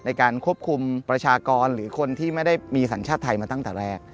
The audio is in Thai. ในการควบคุมประชากรหรือคนที่ไม่ได้มีสัญชาติไทยมาตั้งแต่แรก